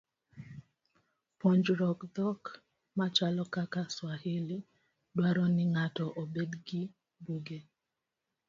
Puonjruok dhok machalo kaka Swahili, dwaro ni ng'ato obed gi buge.